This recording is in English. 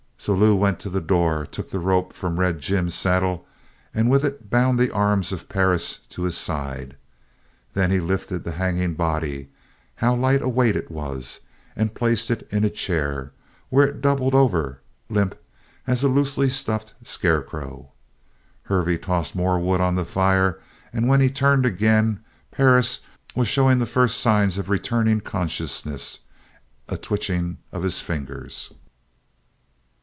So Lew went to the door, took the rope from Red Jim's saddle, and with it bound the arms of Perris to his side. Then he lifted the hanging body how light a weight it was! and placed it in a chair, where it doubled over, limp as a loosely stuffed scarecrow. Hervey tossed more wood on the fire and when he turned again, Perris was showing the first signs of returning consciousness, a twitching of his fingers.